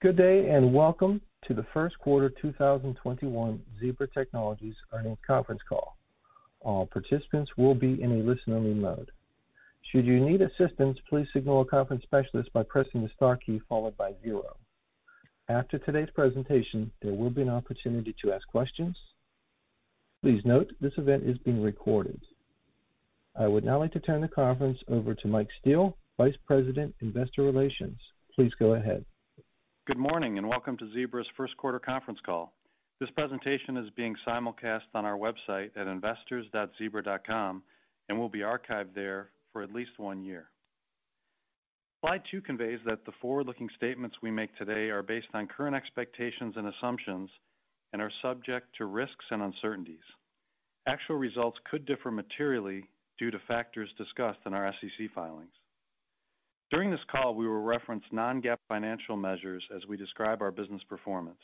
Good day. Welcome to the first quarter 2021 Zebra Technologies earnings conference call. All participants will be in a listen-only mode. Should you need assistance, please signal a conference specialist by pressing the star key followed by zero. After today's presentation, there will be an opportunity to ask questions. Please note this event is being recorded. I would now like to turn the conference over to Mike Steele, Vice President, Investor Relations. Please go ahead. Good morning, and welcome to Zebra's first quarter conference call. This presentation is being simulcast on our website at investors.zebra.com and will be archived there for at least one year. Slide two conveys that the forward-looking statements we make today are based on current expectations and assumptions and are subject to risks and uncertainties. Actual results could differ materially due to factors discussed in our SEC filings. During this call, we will reference non-GAAP financial measures as we describe our business performance.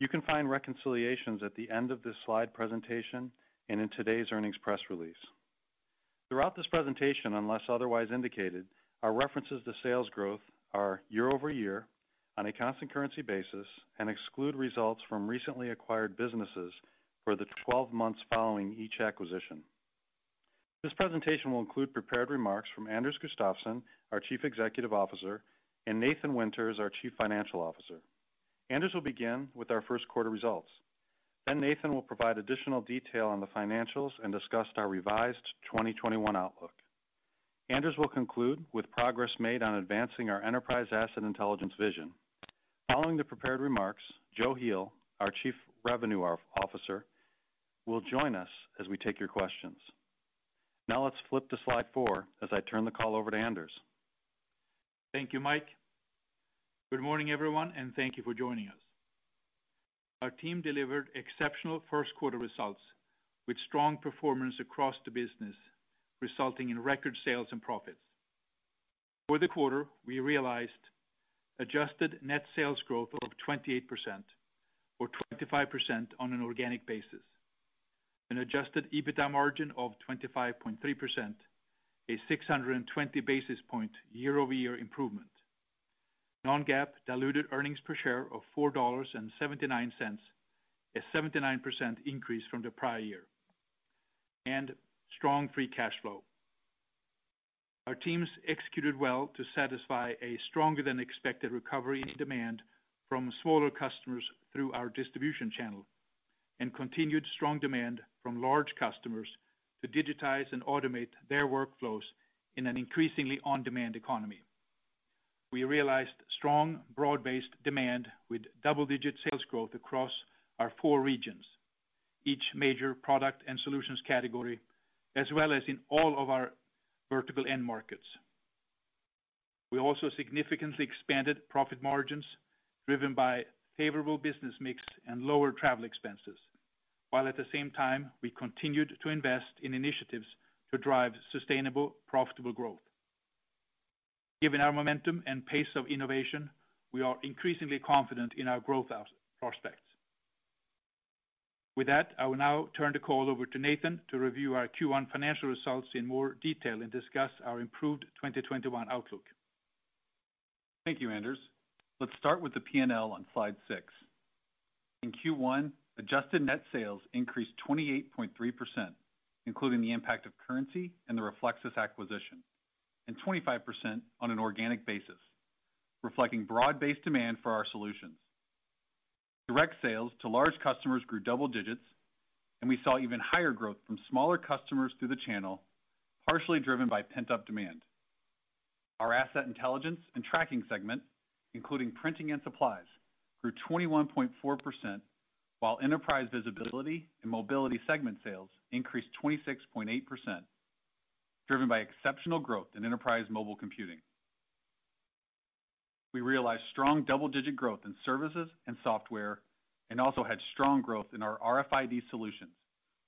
You can find reconciliations at the end of this slide presentation and in today's earnings press release. Throughout this presentation, unless otherwise indicated, our references to sales growth are year-over-year on a constant currency basis and exclude results from recently acquired businesses for the 12 months following each acquisition. This presentation will include prepared remarks from Anders Gustafsson, our Chief Executive Officer, and Nathan Winters, our Chief Financial Officer. Anders will begin with our first quarter results. Nathan will provide additional detail on the financials and discuss our revised 2021 outlook. Anders will conclude with progress made on advancing our Enterprise Asset Intelligence vision. Following the prepared remarks, Joe Heel, our Chief Revenue Officer, will join us as we take your questions. Let's flip to slide four as I turn the call over to Anders. Thank you, Mike. Good morning, everyone, and thank you for joining us. Our team delivered exceptional first quarter results with strong performance across the business, resulting in record sales and profits. For the quarter, we realized adjusted net sales growth of 28%, or 25% on an organic basis, an adjusted EBITDA margin of 25.3%, a 620 basis point year-over-year improvement, non-GAAP diluted earnings per share of $4.79, a 79% increase from the prior year, and strong free cash flow. Our teams executed well to satisfy a stronger-than-expected recovery in demand from smaller customers through our distribution channel and continued strong demand from large customers to digitize and automate their workflows in an increasingly on-demand economy. We realized strong, broad-based demand with double-digit sales growth across our four regions, each major product and solutions category, as well as in all of our vertical end markets. We also significantly expanded profit margins, driven by favorable business mix and lower travel expenses, while at the same time, we continued to invest in initiatives to drive sustainable, profitable growth. Given our momentum and pace of innovation, we are increasingly confident in our growth prospects. With that, I will now turn the call over to Nathan to review our Q1 financial results in more detail and discuss our improved 2021 outlook. Thank you, Anders. Let's start with the P&L on slide six. In Q1, adjusted net sales increased 28.3%, including the impact of currency and the Reflexis acquisition, and 25% on an organic basis, reflecting broad-based demand for our solutions. Direct sales to large customers grew double digits, and we saw even higher growth from smaller customers through the channel, partially driven by pent-up demand. Our asset intelligence and tracking segment, including printing and supplies, grew 21.4%, while enterprise visibility and mobility segment sales increased 26.8%, driven by exceptional growth in enterprise mobile computing. We realized strong double-digit growth in services and software, and also had strong growth in our RFID solutions,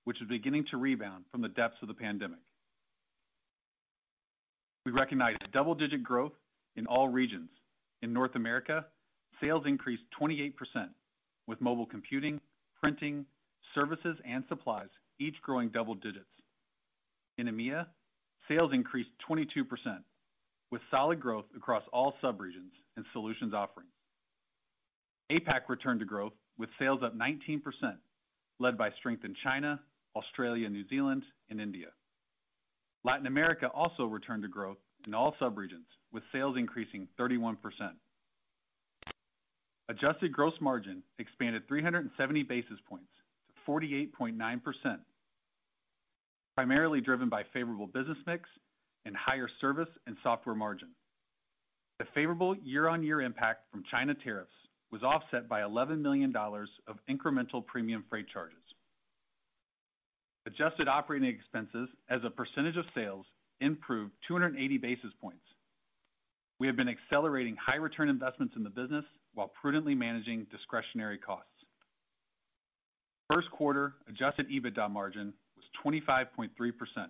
which is beginning to rebound from the depths of the pandemic. We recognized double-digit growth in all regions. In North America, sales increased 28%, with mobile computing, printing, services, and supplies each growing double digits. In EMEA, sales increased 22%, with solid growth across all subregions and solutions offerings. APAC returned to growth with sales up 19%, led by strength in China, Australia, New Zealand, and India. Latin America also returned to growth in all subregions, with sales increasing 31%. Adjusted gross margin expanded 370 basis points to 48.9%, primarily driven by favorable business mix and higher service and software margin. The favorable year-on-year impact from China tariffs was offset by $11 million of incremental premium freight charges. Adjusted operating expenses as a percentage of sales improved 280 basis points. We have been accelerating high return investments in the business while prudently managing discretionary costs. First quarter adjusted EBITDA margin was 25.3%, a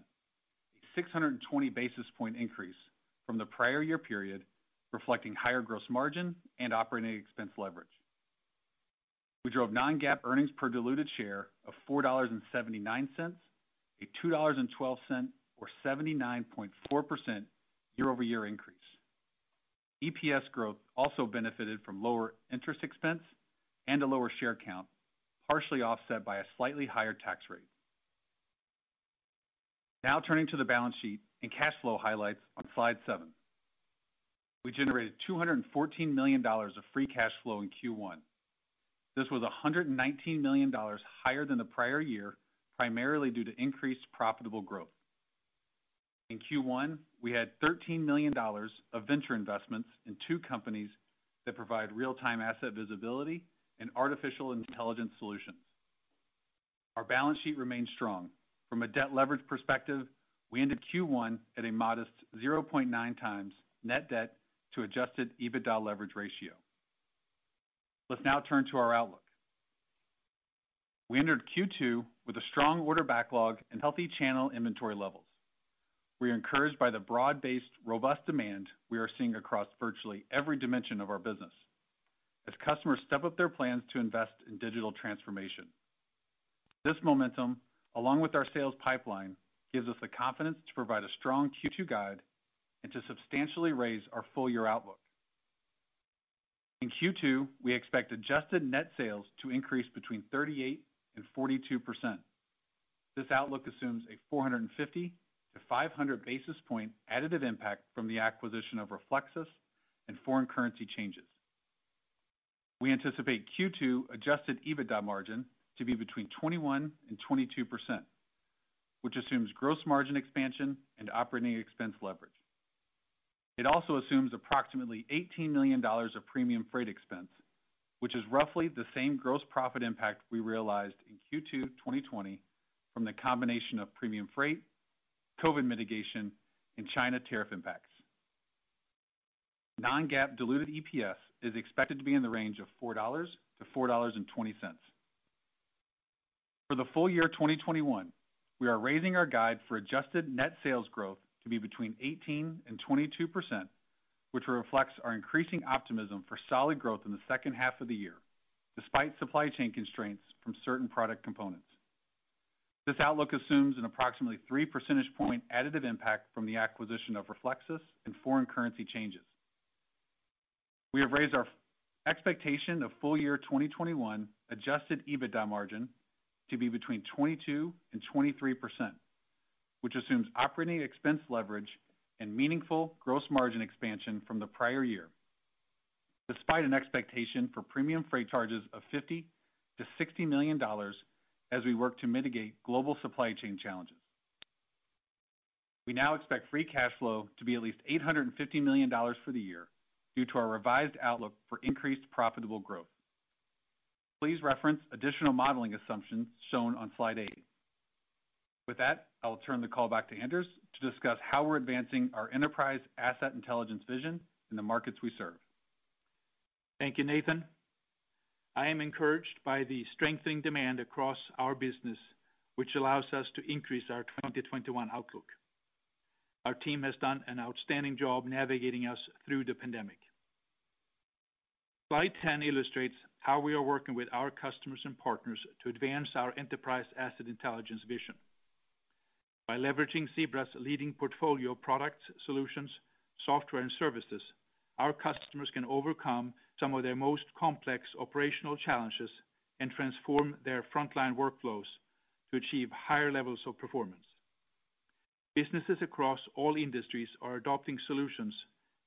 620 basis point increase from the prior year period, reflecting higher gross margin and operating expense leverage. We drove non-GAAP earnings per diluted share of $4.79, a $2.12 or 79.4% year-over-year increase. EPS growth also benefited from lower interest expense and a lower share count, partially offset by a slightly higher tax rate. Now turning to the balance sheet and cash flow highlights on slide seven. We generated $214 million of free cash flow in Q1. This was $119 million higher than the prior year, primarily due to increased profitable growth. In Q1, we had $13 million of venture investments in two companies that provide real-time asset visibility and artificial intelligence solutions. Our balance sheet remains strong. From a debt leverage perspective, we ended Q1 at a modest 0.9x net debt to adjusted EBITDA leverage ratio. Let's now turn to our outlook. We entered Q2 with a strong order backlog and healthy channel inventory levels. We are encouraged by the broad-based, robust demand we are seeing across virtually every dimension of our business, as customers step up their plans to invest in digital transformation. This momentum, along with our sales pipeline, gives us the confidence to provide a strong Q2 guide and to substantially raise our full-year outlook. In Q2, we expect adjusted net sales to increase between 38% and 42%. This outlook assumes a 450-500 basis point additive impact from the acquisition of Reflexis and foreign currency changes. We anticipate Q2 adjusted EBITDA margin to be between 21% and 22%, which assumes gross margin expansion and operating expense leverage. It also assumes approximately $18 million of premium freight expense, which is roughly the same gross profit impact we realized in Q2 2020 from the combination of premium freight, COVID mitigation, and China tariff impacts. Non-GAAP diluted EPS is expected to be in the range of $4-$4.20. For the full year 2021, we are raising our guide for adjusted net sales growth to be between 18% and 22%, which reflects our increasing optimism for solid growth in the second half of the year, despite supply chain constraints from certain product components. This outlook assumes an approximately 3 percentage point additive impact from the acquisition of Reflexis and foreign currency changes. We have raised our expectation of the full-year 2021 adjusted EBITDA margin to be between 22% and 23%, which assumes operating expense leverage and meaningful gross margin expansion from the prior year, despite an expectation for premium freight charges of $50 million-$60 million as we work to mitigate global supply chain challenges. We now expect free cash flow to be at least $850 million for the year due to our revised outlook for increased profitable growth. Please reference additional modeling assumptions shown on slide eight. With that, I'll turn the call back to Anders to discuss how we're advancing our Enterprise Asset Intelligence vision in the markets we serve. Thank you, Nathan. I am encouraged by the strengthening demand across our business, which allows us to increase our 2021 outlook. Our team has done an outstanding job navigating us through the pandemic. Slide 10 illustrates how we are working with our customers and partners to advance our Enterprise Asset Intelligence vision. By leveraging Zebra's leading portfolio of products, solutions, software, and services, our customers can overcome some of their most complex operational challenges and transform their frontline workflows to achieve higher levels of performance. Businesses across all industries are adopting solutions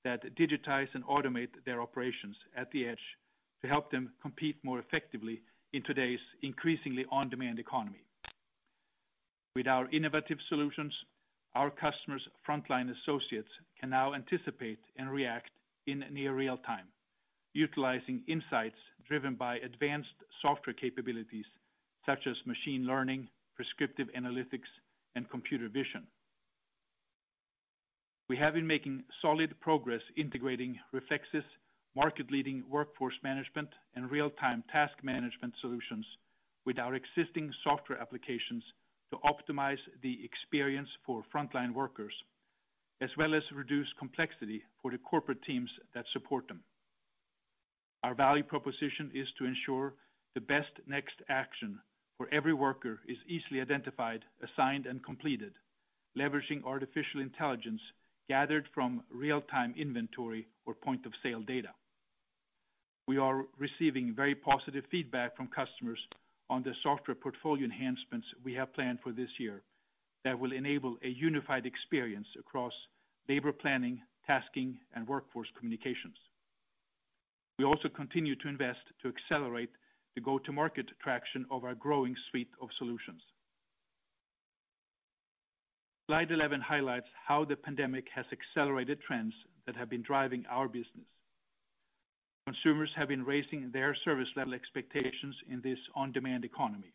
that digitize and automate their operations at the edge to help them compete more effectively in today's increasingly on-demand economy. With our innovative solutions, our customers' frontline associates can now anticipate and react in near real time, utilizing insights driven by advanced software capabilities such as machine learning, prescriptive analytics, and computer vision. We have been making solid progress integrating Reflexis' market-leading workforce management and real-time task management solutions with our existing software applications to optimize the experience for frontline workers, as well as reduce complexity for the corporate teams that support them. Our value proposition is to ensure the best next action for every worker is easily identified, assigned, and completed, leveraging artificial intelligence gathered from real-time inventory or point-of-sale data. We are receiving very positive feedback from customers on the software portfolio enhancements we have planned for this year that will enable a unified experience across labor planning, tasking, and workforce communications. We also continue to invest to accelerate the go-to-market traction of our growing suite of solutions. Slide 11 highlights how the pandemic has accelerated trends that have been driving our business. Consumers have been raising their service level expectations in this on-demand economy.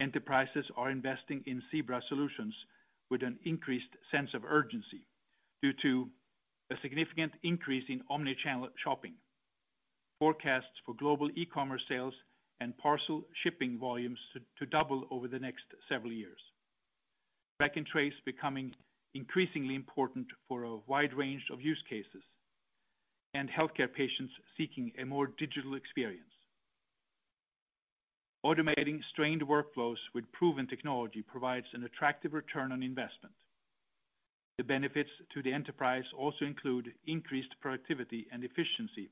Enterprises are investing in Zebra solutions with an increased sense of urgency due to a significant increase in omni-channel shopping, forecasts for global e-commerce sales, and parcel shipping volumes to double over the next several years. Track and trace becoming increasingly important for a wide range of use cases, and healthcare patients seeking a more digital experience. Automating strained workflows with proven technology provides an attractive return on investment. The benefits to the enterprise also include increased productivity and efficiency,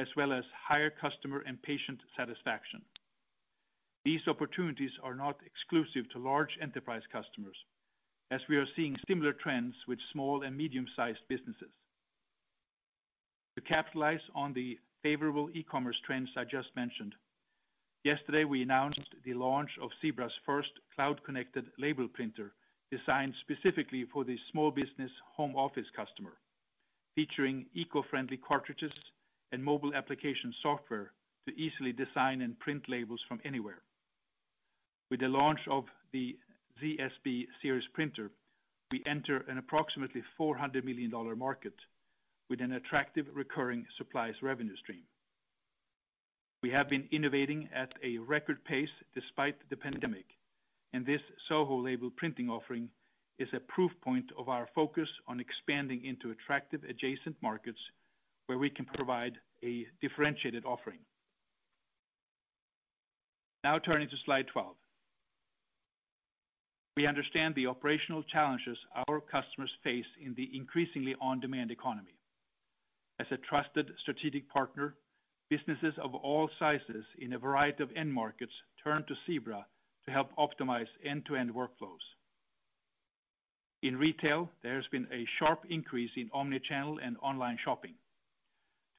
as well as higher customer and patient satisfaction. These opportunities are not exclusive to large enterprise customers, as we are seeing similar trends with small and medium-sized businesses. To capitalize on the favorable e-commerce trends I just mentioned, yesterday, we announced the launch of Zebra's first cloud-connected label printer, designed specifically for the small business home office customer, featuring eco-friendly cartridges and mobile application software to easily design and print labels from anywhere. With the launch of the ZSB Series printer, we enter an approximately $400 million market with an attractive recurring supplies revenue stream. We have been innovating at a record pace despite the pandemic, and this SOHO label printing offering is a proof point of our focus on expanding into attractive adjacent markets where we can provide a differentiated offering. Turning to slide 12. We understand the operational challenges our customers face in the increasingly on-demand economy. As a trusted strategic partner, businesses of all sizes in a variety of end markets turn to Zebra to help optimize end-to-end workflows. In retail, there has been a sharp increase in omni-channel and online shopping.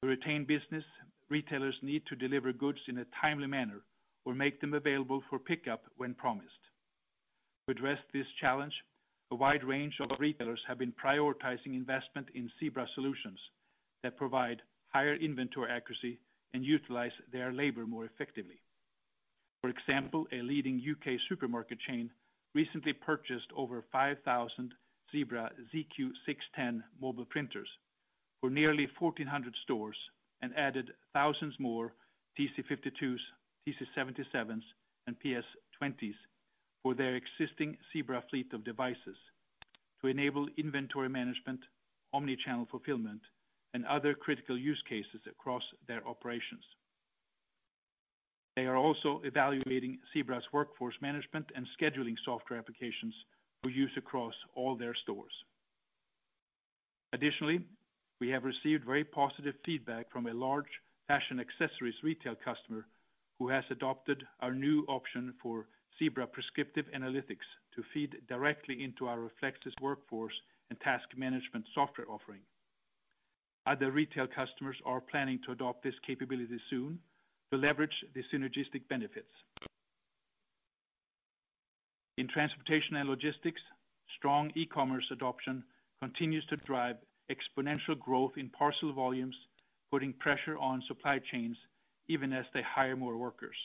To retain business, retailers need to deliver goods in a timely manner or make them available for pickup when promised. To address this challenge, a wide range of retailers have been prioritizing investment in Zebra solutions that provide higher inventory accuracy and utilize their labor more effectively. For example, a leading U.K. supermarket chain recently purchased over 5,000 Zebra ZQ610 mobile printers for nearly 1,400 stores and added thousands more TC52, TC77, and PS20 for their existing Zebra fleet of devices to enable inventory management, omnichannel fulfillment, and other critical use cases across their operations. They are also evaluating Zebra's workforce management and scheduling software applications for use across all their stores. Additionally, we have received very positive feedback from a large fashion accessories retail customer who has adopted our new option for Zebra Prescriptive Analytics to feed directly into our Reflexis workforce and task management software offering. Other retail customers are planning to adopt this capability soon to leverage the synergistic benefits. In transportation and logistics, strong e-commerce adoption continues to drive exponential growth in parcel volumes, putting pressure on supply chains even as they hire more workers.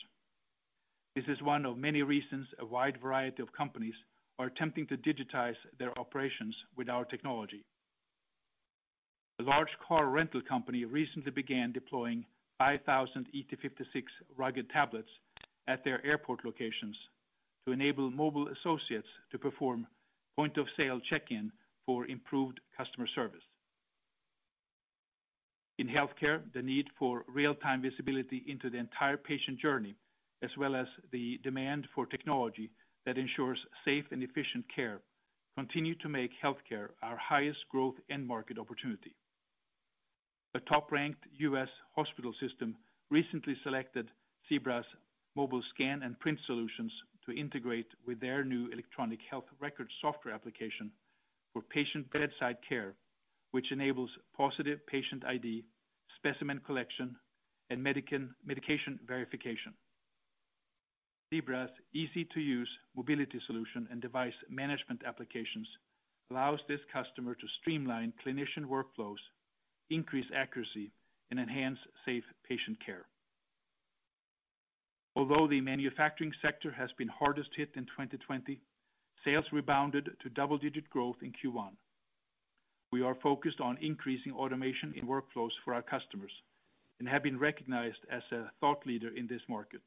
This is one of many reasons a wide variety of companies are attempting to digitize their operations with our technology. A large car rental company recently began deploying 5,000 ET56 rugged tablets at their airport locations to enable mobile associates to perform point-of-sale check-in for improved customer service. In healthcare, the need for real-time visibility into the entire patient journey, as well as the demand for technology that ensures safe and efficient care, continue to make healthcare our highest growth end market opportunity. A top-ranked U.S. hospital system recently selected Zebra's mobile scan and print solutions to integrate with their new electronic health record software application for patient bedside care, which enables positive patient ID, specimen collection, and medication verification. Zebra's easy-to-use mobility solution and device management applications allows this customer to streamline clinician workflows, increase accuracy, and enhance safe patient care. Although the manufacturing sector has been hardest hit in 2020, sales rebounded to double-digit growth in Q1. We are focused on increasing automation in workflows for our customers and have been recognized as a thought leader in this market.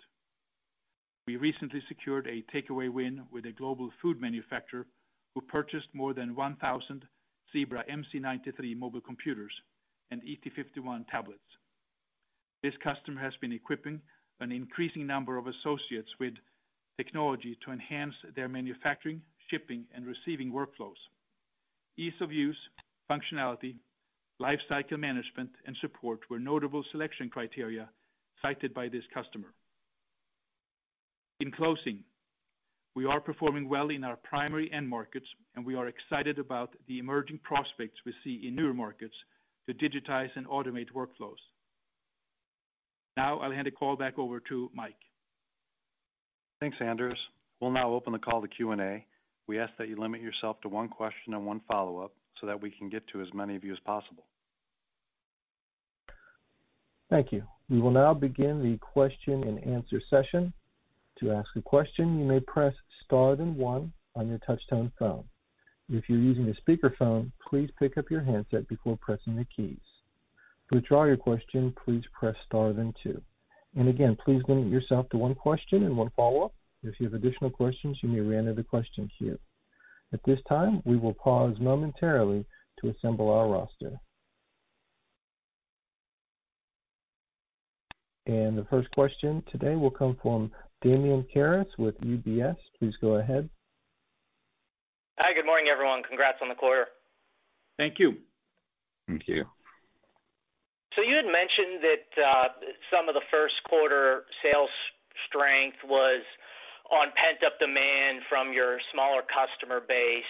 We recently secured a takeaway win with a global food manufacturer who purchased more than 1,000 Zebra MC9300 mobile computers and ET51 tablets. This customer has been equipping an increasing number of associates with technology to enhance their manufacturing, shipping, and receiving workflows. Ease of use, functionality, life cycle management, and support were notable selection criteria cited by this customer. In closing, we are performing well in our primary end markets, and we are excited about the emerging prospects we see in newer markets to digitize and automate workflows. Now, I'll hand the call back over to Mike. Thanks, Anders. We'll now open the call to Q&A. We ask that you limit yourself to one question and one follow-up so that we can get to as many of you as possible. Thank you. We will now begin the question-and-answer session. To ask a question, you may press star then one on your touch-tone phone. If you're using a speakerphone, please pick up your handset before pressing the keys. To withdraw your question, please press star then two. Again, please limit yourself to one question and one follow-up. If you have additional questions, you may reenter the question queue. At this time, we will pause momentarily to assemble our roster. The first question today will come from Damian Karas with UBS. Please go ahead. Hi, good morning, everyone. Congrats on the quarter. Thank you. Thank you. You had mentioned that some of the first quarter sales strength was on pent-up demand from your smaller customer base.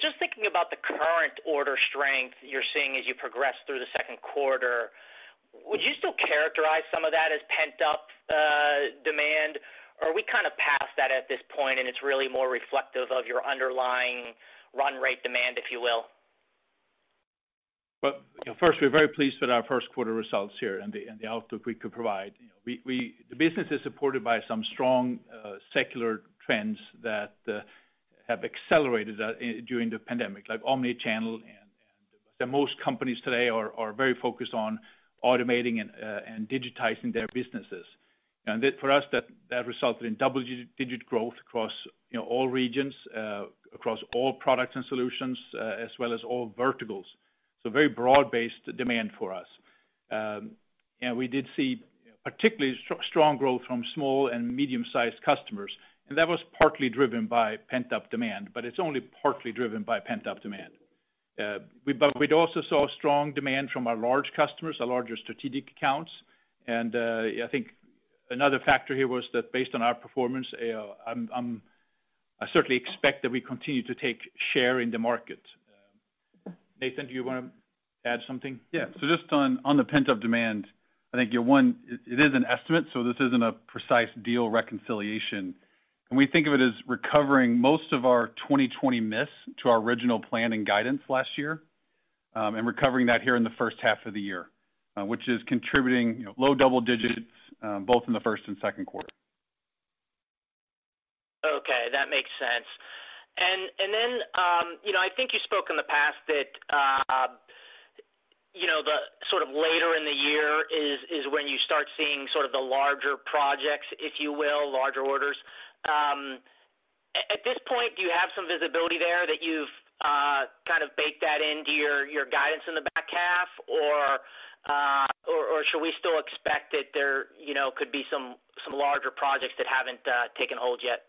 Just thinking about the current order strength you're seeing as you progress through the second quarter, would you still characterize some of that as pent-up demand? Are we kind of past that at this point, and it's really more reflective of your underlying run rate demand, if you will? Well, first, we're very pleased with our first quarter results here and the outlook we could provide. The business is supported by some strong secular trends that have accelerated during the pandemic, like omni-channel. Most companies today are very focused on automating and digitizing their businesses. For us, that resulted in double-digit growth across all regions, across all products and solutions, as well as all verticals. Very broad-based demand for us. We did see particularly strong growth from small and medium-sized customers, and that was partly driven by pent-up demand, but it's only partly driven by pent-up demand. We'd also saw strong demand from our large customers, our larger strategic accounts. I think another factor here was that based on our performance, I certainly expect that we continue to take share in the market. Nathan, do you want to add something? Just on the pent-up demand, I think, one, it is an estimate. This isn't a precise deal reconciliation. We think of it as recovering most of our 2020 miss to our original plan and guidance last year and recovering that here in the first half of the year, which is contributing low double digits both in the first and second quarter. Okay. That makes sense. I think you spoke in the past that the sort of later in the year is when you start seeing sort of the larger projects, if you will, larger orders. At this point, do you have some visibility there that you've kind of baked that into your guidance in the back half? Or should we still expect that there could be some larger projects that haven't taken hold yet?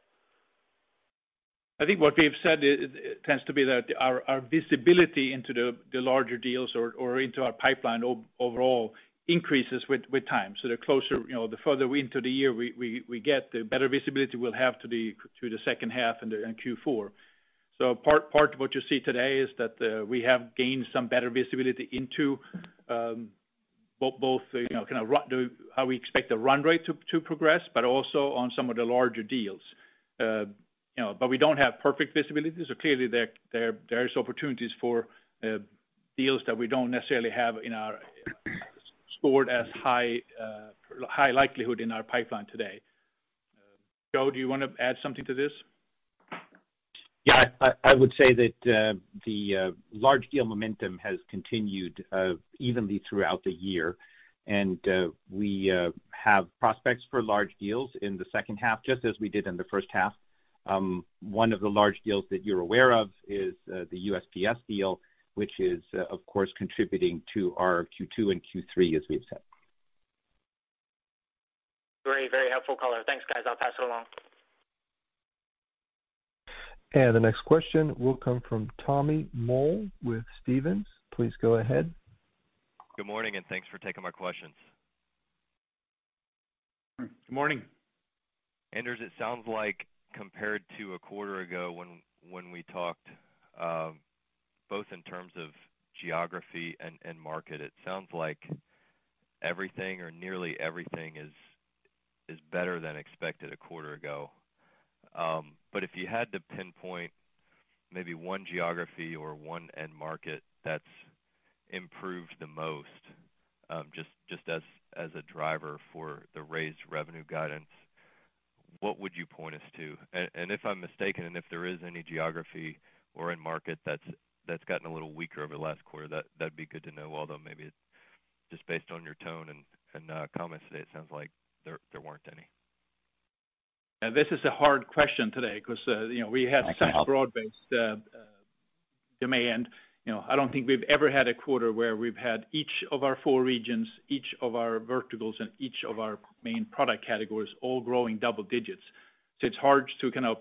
I think what we've said tends to be that our visibility into the larger deals or into our pipeline overall increases with time. The further into the year we get, the better visibility we'll have to the second half and Q4. Part of what you see today is that we have gained some better visibility into both how we expect the run rate to progress, but also on some of the larger deals. We don't have perfect visibility. Clearly, there is opportunities for deals that we don't necessarily have scored as high likelihood in our pipeline today. Joe, do you want to add something to this? Yeah, I would say that the large deal momentum has continued evenly throughout the year, and we have prospects for large deals in the second half, just as we did in the first half. One of the large deals that you're aware of is the USPS deal, which is, of course, contributing to our Q2 and Q3 as we have said. Great. Very helpful color. Thanks, guys. I'll pass it along. The next question will come from Tommy Moll with Stephens. Please go ahead. Good morning, and thanks for taking my questions. Good morning. Anders, it sounds like, compared to a quarter ago when we talked, both in terms of geography and market, it sounds like everything or nearly everything is better than expected a quarter ago. If you had to pinpoint maybe one geography or one end market that's improved the most, just as a driver for the raised revenue guidance, what would you point us to? If I'm mistaken, and if there is any geography or end market that's gotten a little weaker over the last quarter, that'd be good to know. Maybe just based on your tone and comments today, it sounds like there weren't any. This is a hard question today because- I can help. -such broad-based demand. I don't think we've ever had a quarter where we've had each of our four regions, each of our verticals, and each of our main product categories all growing double digits. It's hard to kind of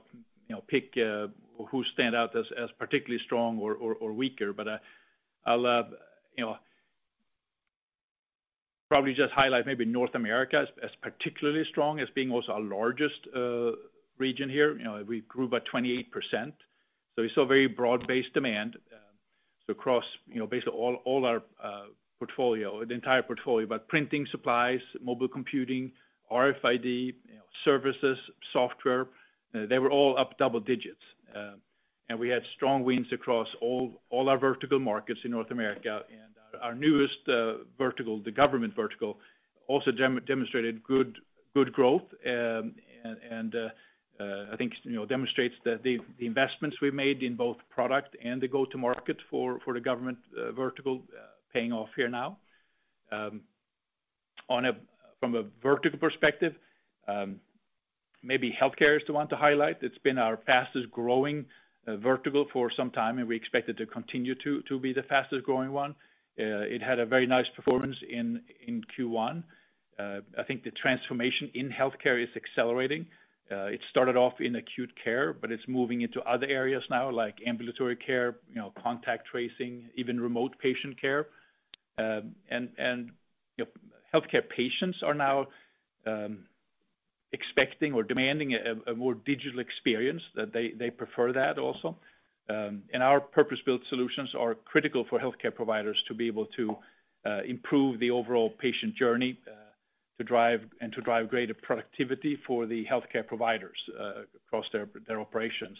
pick who stand out as particularly strong or weaker. I'll probably just highlight maybe North America as particularly strong, as being also our largest region here. We grew by 28%. We saw very broad-based demand. Across basically all our portfolio, the entire portfolio, but printing supplies, mobile computing, RFID, services, software, they were all up double digits. We had strong wins across all our vertical markets in North America, and our newest vertical, the government vertical, also demonstrated good growth, and I think demonstrates that the investments we made in both product and the go-to market for the government vertical are paying off here now. From a vertical perspective, maybe healthcare is the one to highlight. It's been our fastest-growing vertical for some time, and we expect it to continue to be the fastest-growing one. It had a very nice performance in Q1. I think the transformation in healthcare is accelerating. It started off in acute care, but it's moving into other areas now, like ambulatory care, contact tracing, even remote patient care. Healthcare patients are now expecting or demanding a more digital experience that they prefer that also. Our purpose-built solutions are critical for healthcare providers to be able to improve the overall patient journey, and to drive greater productivity for the healthcare providers across their operations.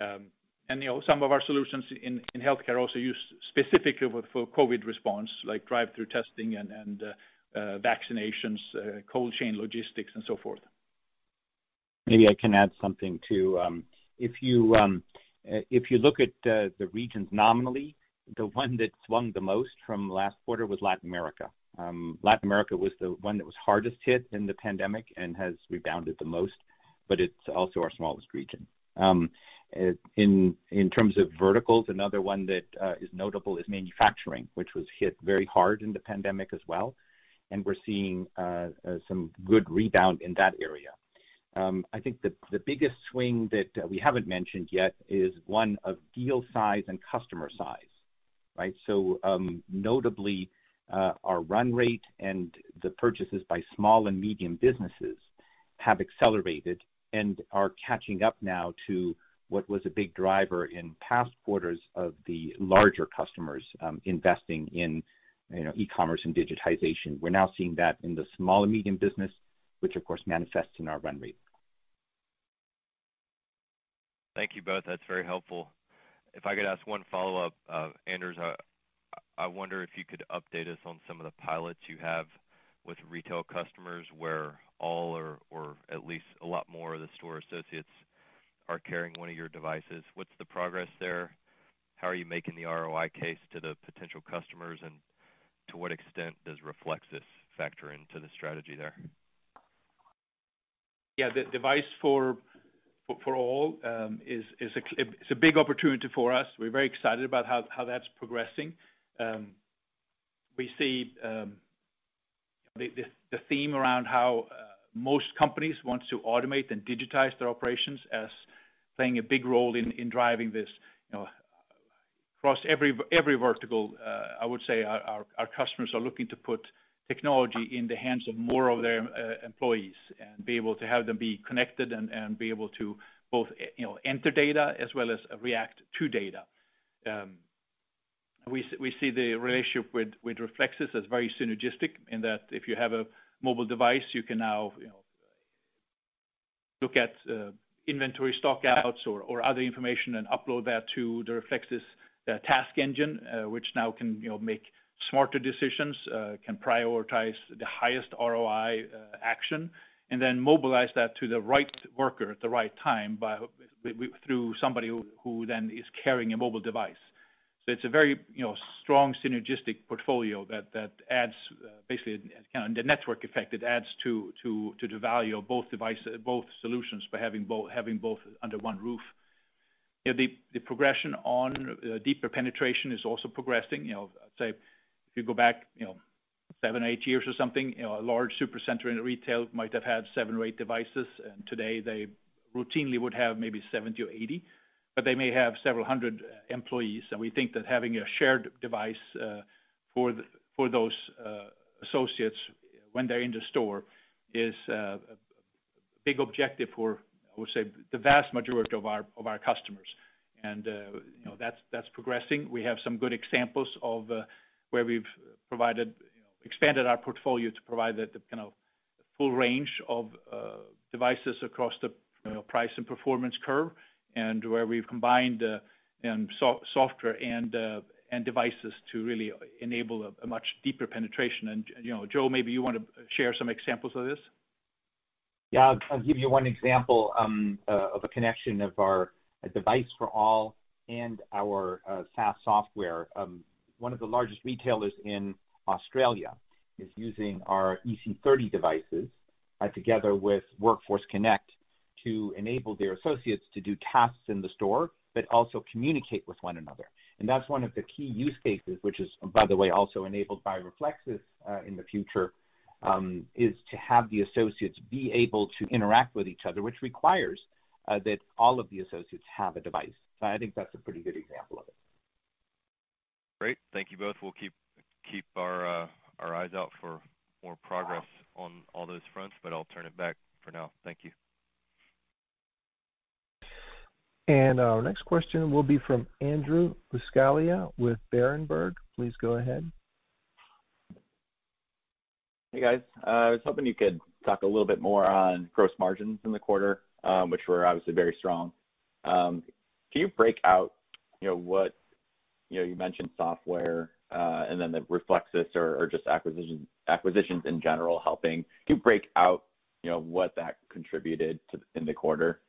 Some of our solutions in healthcare also used specifically for COVID response, like drive-through testing and vaccinations, cold chain logistics, and so forth. Maybe I can add something too. If you look at the regions nominally, the one that swung the most from last quarter was Latin America. Latin America was the one that was hardest hit in the pandemic and has rebounded the most, but it's also our smallest region. In terms of verticals, another one that is notable is manufacturing, which was hit very hard in the pandemic as well, and we're seeing some good rebound in that area. Notably, our run rate and the purchases by small and medium businesses have accelerated and are catching up now to what was a big driver in past quarters of the larger customers investing in e-commerce and digitization. We're now seeing that in the small and medium business, which of course manifests in our run rate. Thank you both. That's very helpful. If I could ask one follow-up. Anders, I wonder if you could update us on some of the pilots you have with retail customers where all or at least a lot more of the store associates are carrying one of your devices. What's the progress there? How are you making the ROI case to the potential customers, and to what extent does Reflexis factor into the strategy there? Yeah, the device for all is a big opportunity for us. We're very excited about how that's progressing. We see the theme around how most companies want to automate and digitize their operations as playing a big role in driving this across every vertical. I would say our customers are looking to put technology in the hands of more of their employees and be able to have them be connected and be able to both enter data as well as react to data. We see the relationship with Reflexis as very synergistic in that if you have a mobile device, you can now look at inventory stock-outs or other information and upload that to the Reflexis task engine, which now can make smarter decisions, can prioritize the highest ROI action, and then mobilize that to the right worker at the right time through somebody who then is carrying a mobile device. It's a very strong synergistic portfolio that adds basically the network effect, it adds to the value of both solutions by having both under one roof. The progression on deeper penetration is also progressing. Say, if you go back seven, eight years or something, a large super center in retail might have had seven or eight devices, and today they routinely would have maybe 70 or 80. They may have several hundred employees, and we think that having a shared device for those associates when they're in the store is a big objective for, I would say, the vast majority of our customers. That's progressing. We have some good examples of where we've expanded our portfolio to provide the full range of devices across the price and performance curve, and where we've combined software and devices to really enable a much deeper penetration. Joe, maybe you want to share some examples of this? Yeah. I'll give you one example of a connection of our device for all and our SaaS software. One of the largest retailers in Australia is using our EC30 devices together with Workforce Connect to enable their associates to do tasks in the store but also communicate with one another. That's one of the key use cases, which is, by the way, also enabled by Reflexis in the future, is to have the associates be able to interact with each other, which requires that all of the associates have a device. I think that's a pretty good example of it. Great. Thank you both. We'll keep our eyes out for more progress on all those fronts, but I'll turn it back for now. Thank you. Our next question will be from Andrew Buscaglia with Berenberg. Please go ahead. Hey, guys. I was hoping you could talk a little bit more on gross margins in the quarter, which were obviously very strong. You mentioned software, and then the Reflexis or just acquisitions in general, helping. Can you break out what that contributed in the quarter?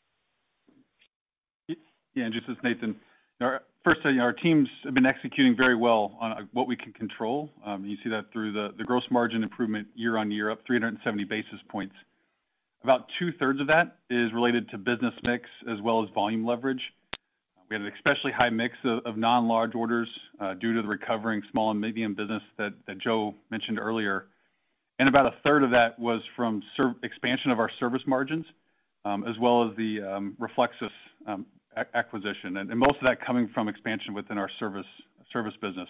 Yeah, Andrew, this is Nathan. First, our teams have been executing very well on what we can control. You see that through the gross margin improvement year-on-year, up 370 basis points. About two-thirds of that is related to business mix as well as volume leverage. We had an especially high mix of non-large orders due to the recovering small and medium business that Joe mentioned earlier. About a third of that was from expansion of our service margins, as well as the Reflexis acquisition. Most of that coming from expansion within our service business.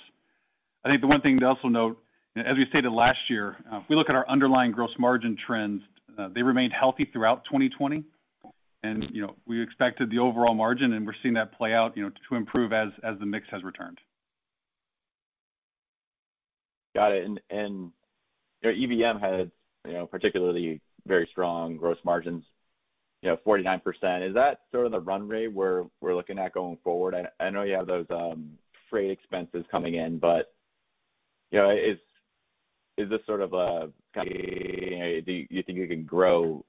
I think the one thing to also note, as we stated last year, if we look at our underlying gross margin trends, they remained healthy throughout 2020. We expected the overall margin, and we're seeing that play out, to improve as the mix has returned. Got it. EVM had particularly very strong gross margins, 49%. Is that sort of the run rate we're looking at going forward? I know you have those freight expenses coming in, but is this sort of a do you think you can grow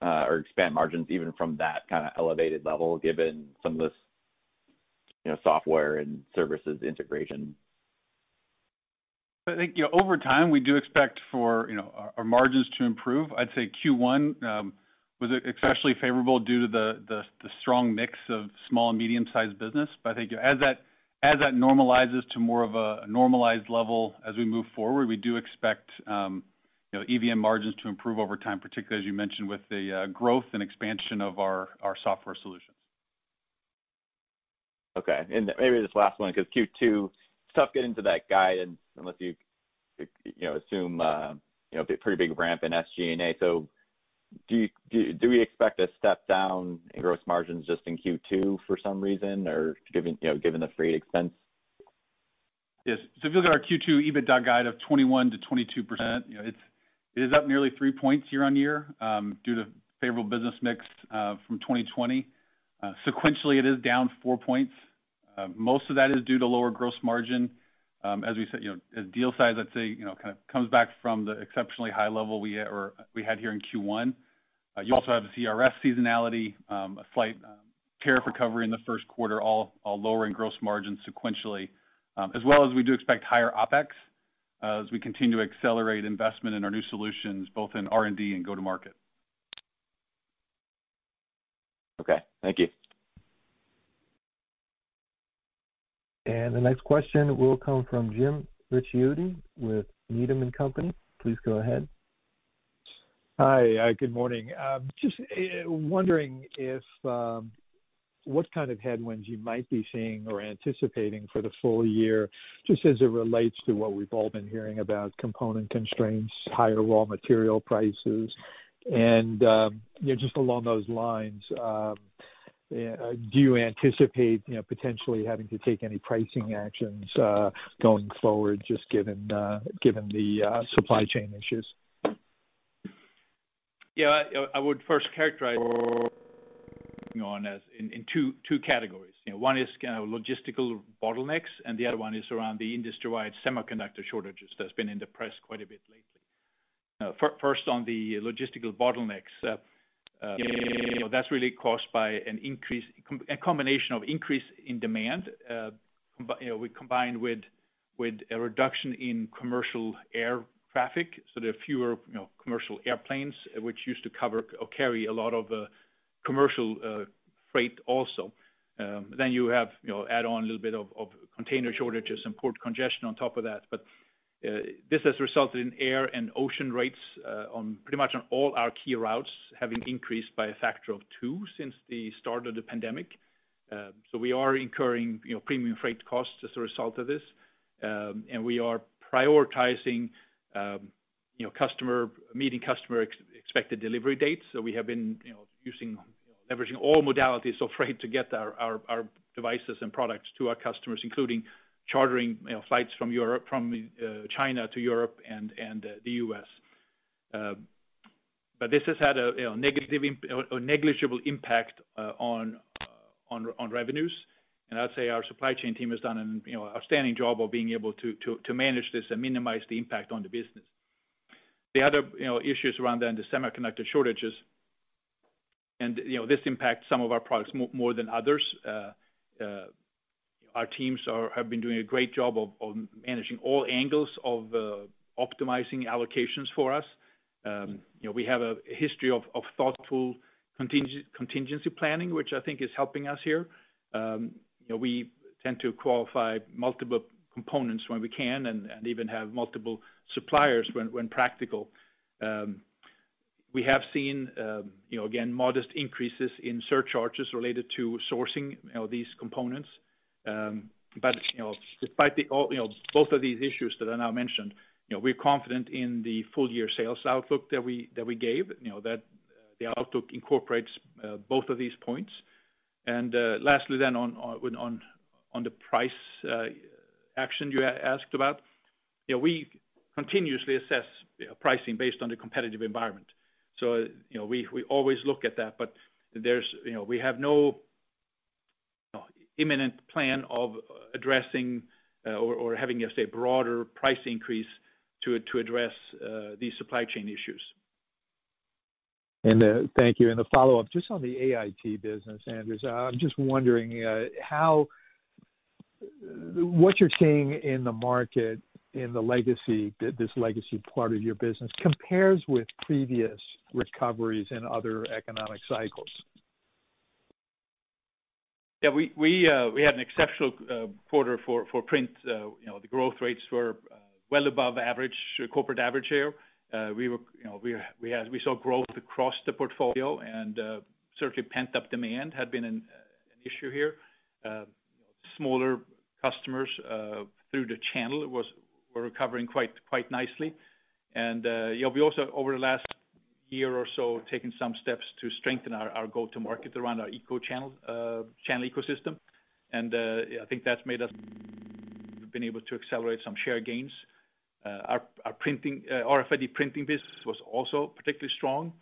or expand margins even from that kind of elevated level, given some of this software and services integration? I think over time, we do expect for our margins to improve. I'd say Q1 was especially favorable due to the strong mix of small and medium-sized businesses. I think as that normalizes to more of a normalized level as we move forward, we do expect EVM margins to improve over time, particularly as you mentioned with the growth and expansion of our software solutions. Okay. Maybe this is last one, because Q2, it's tough getting to that guidance unless you assume pretty big ramp in SG&A. Do we expect a step down in gross margins just in Q2 for some reason, given the freight expense? Yes. If you look at our Q2 EBITDA guide of 21%-22%, it is up nearly three points year-on-year due to favorable business mix from 2020. Sequentially, it is down four points. Most of that is due to lower gross margin. Deal size, I'd say, kind of comes back from the exceptionally high level we had here in Q1. You also have the CRS seasonality, a slight tariff recovery in the first quarter, all lowering gross margin sequentially. As well as we do expect higher OpEx as we continue to accelerate investment in our new solutions, both in R&D and go-to-market. Okay. Thank you. The next question will come from Jim Ricchiuti with Needham & Company. Please go ahead. Hi. Good morning. Just wondering what kind of headwinds you might be seeing or anticipating for the full year, just as it relates to what we've all been hearing about component constraints, higher raw material prices? Just along those lines, do you anticipate potentially having to take any pricing actions going forward, just given the supply chain issues? Yeah. I would first characterize in two categories. One is logistical bottlenecks. The other one is around the industry-wide semiconductor shortages that's been in the press quite a bit lately. First, on the logistical bottlenecks, that's really caused by a combination of increase in demand combined with a reduction in commercial air traffic, so there are fewer commercial airplanes, which used to cover or carry a lot of commercial freight also. You add on a little bit of container shortages and port congestion on top of that. This has resulted in air and ocean rates on pretty much on all our key routes, having increased by a factor of two since the start of the pandemic. We are incurring premium freight costs as a result of this. We are prioritizing meeting customer expected delivery dates. We have been leveraging all modalities of freight to get our devices and products to our customers, including chartering flights from China to Europe and the U.S. This has had a negligible impact on revenues. I'd say our supply chain team has done an outstanding job of being able to manage this and minimize the impact on the business. The other issues around the semiconductor shortages. This impacts some of our products more than others. Our teams have been doing a great job of managing all angles of optimizing allocations for us. We have a history of thoughtful contingency planning, which I think is helping us here. We tend to qualify multiple components when we can and even have multiple suppliers when practical. We have seen, again, modest increases in surcharges related to sourcing these components. Despite both of these issues that are now mentioned, we're confident in the full-year sales outlook that we gave. The outlook incorporates both of these points. Lastly on the price action you asked about. We continuously assess pricing based on the competitive environment. We always look at that, but we have no imminent plan of addressing or having a say, broader price increase to address these supply chain issues. Thank you. The follow-up, just on the AIT business, Anders, I'm just wondering what you're seeing in the market, in this legacy part of your business compares with previous recoveries in other economic cycles. Yeah. We had an exceptional quarter for print. The growth rates were well above corporate average here. We saw growth across the portfolio, and certainly pent-up demand had been an issue here. Smaller customers through the channel were recovering quite nicely. We also, over the last year or so, have taken some steps to strengthen our go-to market around our channel ecosystem. I think that's made us been able to accelerate some share gains. Our RFID printing business was also particularly strong.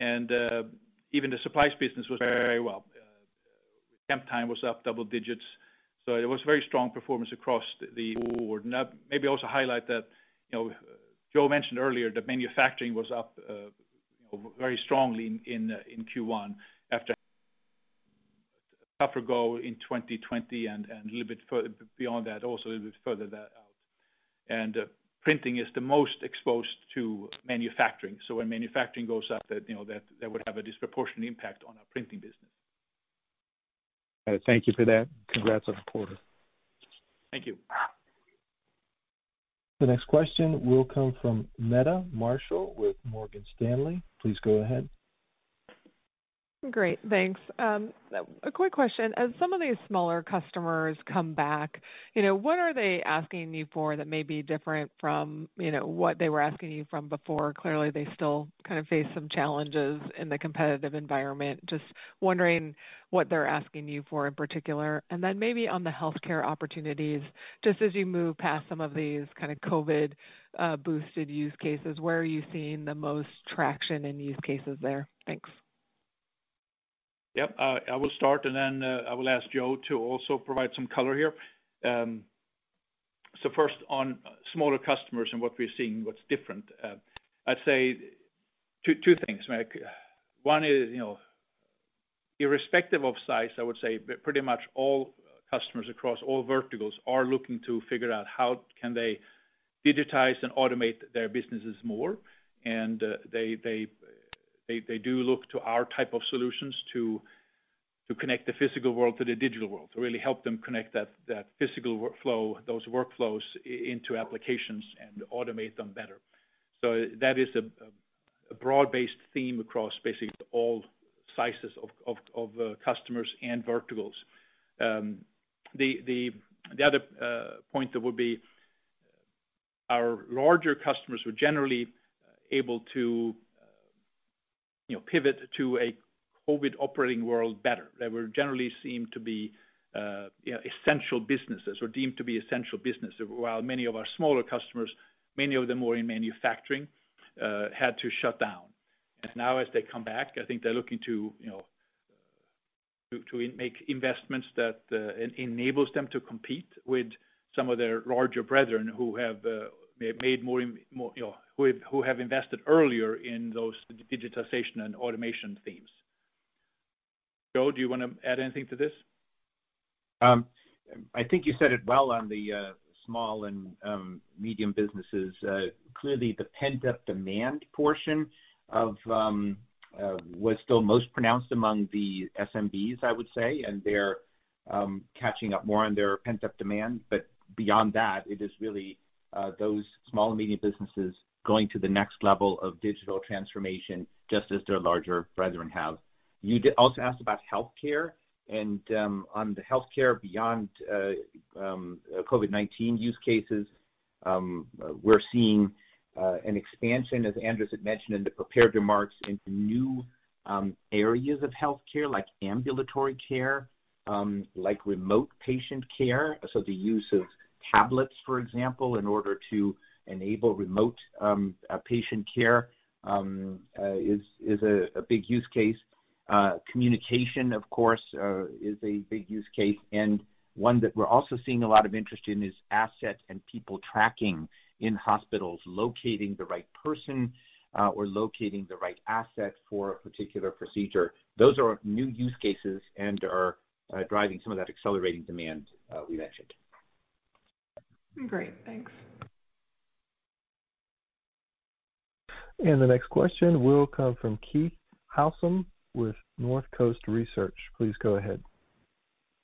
Even the supplies business was very well. Temptime was up double digits, so it was very strong performance across the board. Maybe also highlight that Joe mentioned earlier that manufacturing was up very strongly in Q1 after a tougher go in 2020 and a little bit beyond that, also a little bit further out. Printing is the most exposed to manufacturing, so when manufacturing goes up, that would have a disproportionate impact on our printing business. All right. Thank you for that. Congrats on the quarter. Thank you. The next question will come from Meta Marshall with Morgan Stanley. Please go ahead. Great. Thanks. A quick question. As some of these smaller customers come back, what are they asking you for that may be different from what they were asking you from before? Clearly, they still kind of face some challenges in the competitive environment. Just wondering what they're asking you for, in particular. Maybe on the healthcare opportunities, just as you move past some of these kinds of COVID-boosted use cases, where are you seeing the most traction in use cases there? Thanks. Yep. I will start, and then I will ask Joe to also provide some color here. First on smaller customers and what we're seeing, what's different. I'd say two things. One is, irrespective of size, I would say pretty much all customers across all verticals are looking to figure out how can they digitize and automate their businesses more. They do look to our type of solutions to connect the physical world to the digital world, to really help them connect that physical workflow, those workflows into applications and automate them better. That is a broad-based theme across basically all sizes of customers and verticals. The other point that would be, our larger customers were generally able to pivot to a COVID operating world better. They were generally seemed to be essential businesses or deemed to be essential business, while many of our smaller customers, many of them were in manufacturing, had to shut down. Now as they come back, I think they're looking to make investments that enables them to compete with some of their larger brethren who have invested earlier in those digitization and automation themes. Joe, do you want to add anything to this? I think you said it well on the small and medium businesses. Clearly, the pent-up demand portion was still most pronounced among the SMBs, I would say, and they're catching up more on their pent-up demand. Beyond that, it is really those small and medium businesses going to the next level of digital transformation, just as their larger brethren have. You also asked about healthcare. On the healthcare beyond COVID-19 use cases, we're seeing an expansion, as Anders had mentioned in the prepared remarks, into new areas of healthcare, like ambulatory care, like remote patient care. The use of tablets, for example, in order to enable remote patient care is a big use case. Communication, of course, is a big use case, and one that we're also seeing a lot of interest in is asset and people tracking in hospitals, locating the right person or locating the right asset for a particular procedure. Those are new use cases and are driving some of that accelerating demand we mentioned. Great. Thanks. The next question will come from Keith Housum with Northcoast Research. Please go ahead.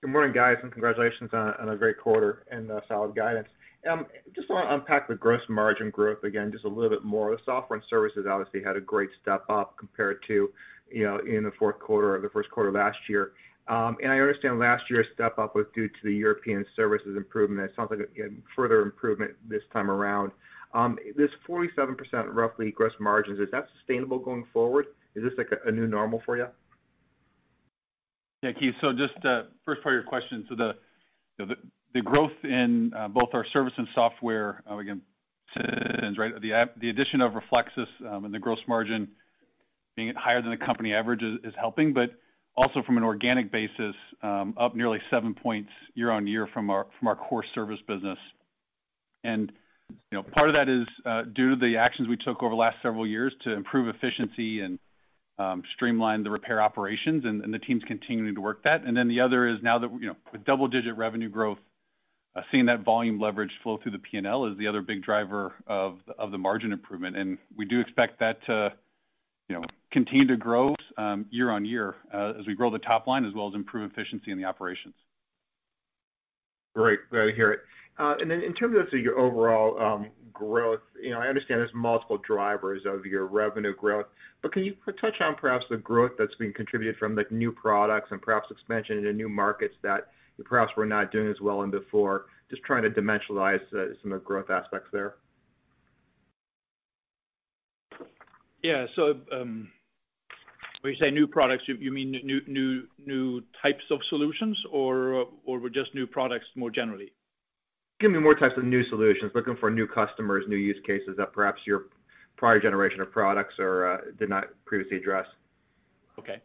Good morning, guys. Congratulations on a great quarter and a solid guidance. Just want to unpack the gross margin growth again just a little bit more. The software and services obviously had a great step up compared to in the fourth quarter or the first quarter of last year. I understand last year's step up was due to the European services improvement. It sounds like, again, further improvement this time around. This 47% roughly gross margins, is that sustainable going forward? Is this like a new normal for you? Yeah, Keith. Just the first part of your question. The growth in both our service and software, again, the addition of Reflexis and the gross margin being higher than the company average is helping, but also from an organic basis, up nearly seven points year-on-year from our core service business. Part of that is due to the actions we took over the last several years to improve efficiency and streamline the repair operations, and the team's continuing to work that. Then the other is now that with double-digit revenue growth, seeing that volume leverage flow through the P&L is the other big driver of the margin improvement. We do expect that to continue to grow year-on-year as we grow the top line, as well as improve efficiency in the operations. Great. Glad to hear it. In terms of your overall growth, I understand there's multiple drivers of your revenue growth, but can you touch on perhaps the growth that's being contributed from the new products and perhaps expansion into new markets that perhaps were not doing as well in before? Just trying to dimensionalize some of the growth aspects there. Yeah. When you say new products, you mean new types of solutions, or with just new products more generally? Give me more types of new solutions. Looking for new customers, new use cases that perhaps your prior generation of products did not previously address. Okay.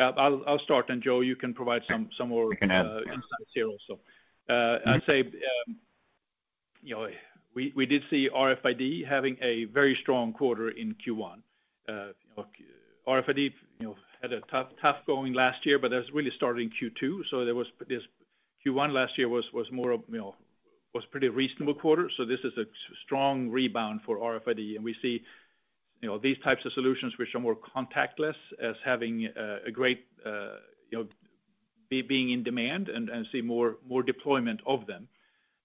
I'll start, and Joe, you can provide some more- We can add insights here also. I'd say, we did see RFID having a very strong quarter in Q1. RFID had a tough going last year, but that's really started in Q2, so Q1 last year was a pretty reasonable quarter, so this is a strong rebound for RFID. We see these types of solutions, which are more contactless as being in demand, and see more deployment of them.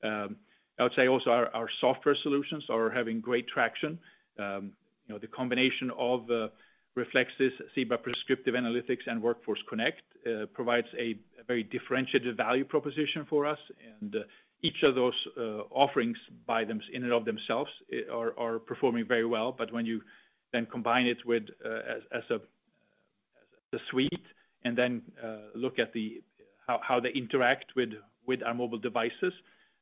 I would say also our software solutions are having great traction. The combination of Reflexis, Zebra Prescriptive Analytics, and Workforce Connect, provides a very differentiated value proposition for us. Each of those offerings in and of themselves are performing very well. When you then combine it as a suite and then look at how they interact with our mobile devices,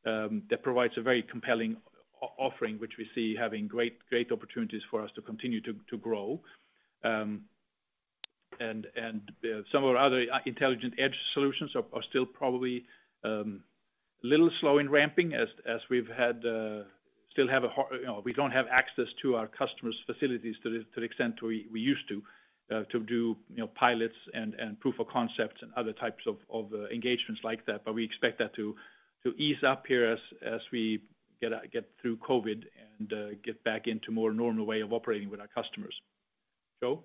that provides a very compelling offering, which we see having great opportunities for us to continue to grow. Some of our other intelligent edge solutions are still probably a little slow in ramping, as we don't have access to our customers' facilities to the extent, we used to do pilots and proof of concepts and other types of engagements like that. We expect that to ease up here as we get through COVID and get back into a more normal way of operating with our customers. Joe?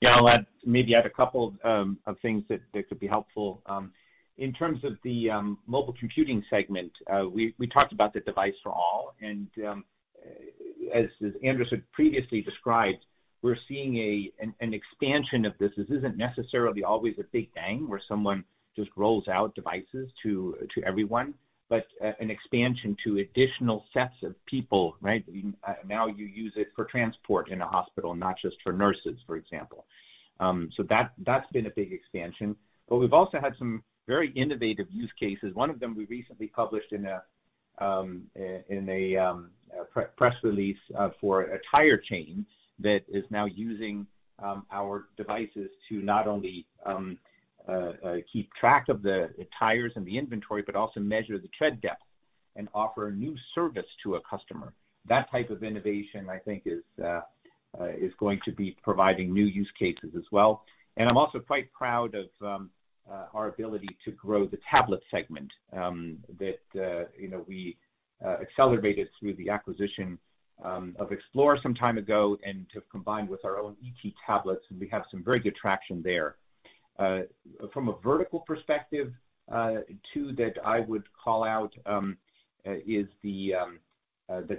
Yeah. I'll maybe add a couple of things that could be helpful. In terms of the mobile computing segment, we talked about the device for all, and as Anders Gustafsson had previously described, we're seeing an expansion of this. This isn't necessarily always a big bang where someone just rolls out devices to everyone, but an expansion to additional sets of people. Right? Now you use it for transport in a hospital, not just for nurses, for example. That's been a big expansion, but we've also had some very innovative use cases. One of them we recently published in a press release for a tire chain that is now using our devices to not only keep track of the tires and the inventory, but also measure the tread depth and offer a new service to a customer. That type of innovation, I think is going to be providing new use cases as well. I'm also quite proud of our ability to grow the tablet segment, that we accelerated through the acquisition of Xplore some time ago and to combine with our own ET tablets, and we have some very good traction there. From a vertical perspective, two that I would call out is the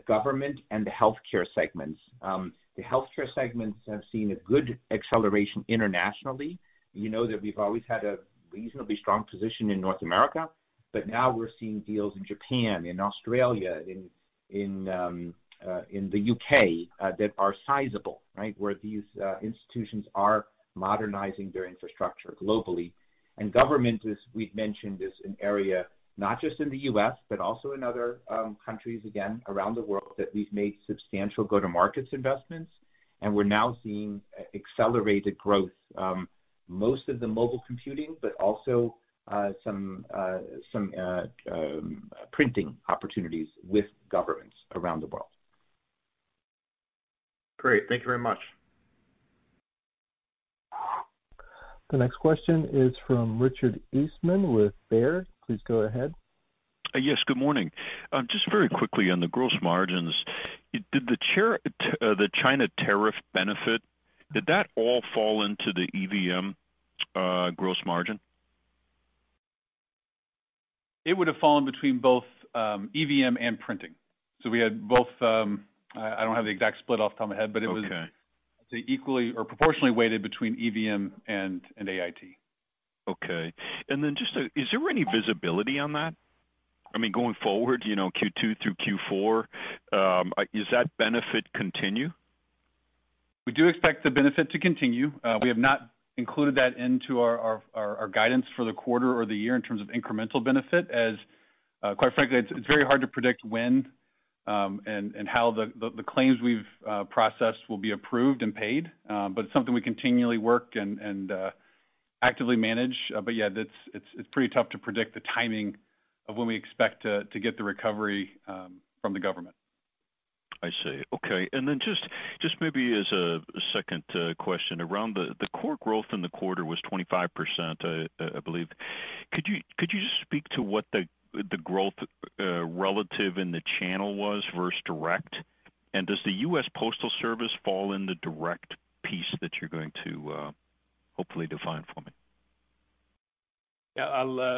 government and the healthcare segments. The healthcare segments have seen a good acceleration internationally. You know that we've always had a reasonably strong position in North America, but now we're seeing deals in Japan, in Australia, in the U.K., that are sizable, right? Where these institutions are modernizing their infrastructure globally. Government, as we've mentioned, is an area, not just in the U.S., but also in other countries, again, around the world, that we've made substantial go-to-markets investments, and we're now seeing accelerated growth. Most of the mobile computing, but also some printing opportunities with governments around the world. Great. Thank you very much. The next question is from Richard Eastman with Baird. Please go ahead. Yes, good morning. Just very quickly on the gross margins. Did the China tariff benefit? Did that all fall into the EVM gross margin? It would've fallen between both EVM and printing. We had both, I don't have the exact split off the top of my head, but it was. Okay I'd say equally or proportionately weighted between EVM and AIT. Okay. Just is there any visibility on that? Going forward, Q2 through Q4, does that benefit continue? We do expect the benefit to continue. We have not included that into our guidance for the quarter or the year in terms of incremental benefit, as quite frankly, it's very hard to predict when and how the claims we've processed will be approved and paid. It's something we continually work and actively manage. Yeah, it's pretty tough to predict the timing of when we expect to get the recovery from the government. I see. Okay. Just maybe as a second question, around the core growth in the quarter was 25%, I believe. Could you just speak to what the growth relative in the channel was versus direct? Does the U.S. Postal Service fall in the direct piece that you're going to hopefully define for me? Yeah.